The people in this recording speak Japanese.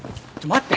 待って。